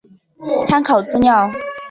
参考资料